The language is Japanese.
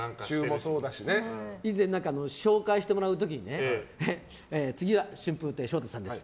以前、紹介してもらう時に次は春風亭昇太さんです。